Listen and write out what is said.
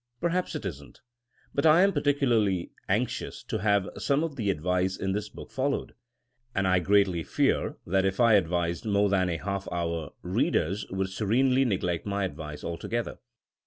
Perhaps it isn't. But I am particu larly anxious to have some of the advice in this book followed. And I greatly fear that if I ad vised more than a half hour most readers would serenely neglect my advice altogether.